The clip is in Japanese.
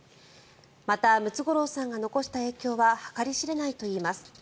また、ムツゴロウさんが残した影響は計り知れないといいます。